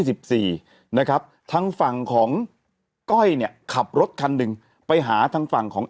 สิบสี่นะครับทางฝั่งของก้อยเนี่ยขับรถคันหนึ่งไปหาทางฝั่งของ